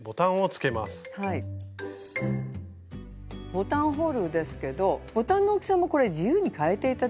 ボタンホールですけどボタンの大きさも自由に変えて頂いてかまいません。